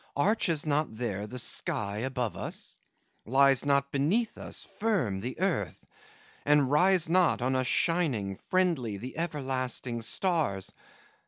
Arches not there the sky above us? Lies not beneath us, firm, the earth? And rise not, on us shining, Friendly, the everlasting stars?